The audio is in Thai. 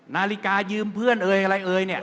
นาฬิกายืมเพื่อนเอ่ยอะไรเอ่ยเนี่ย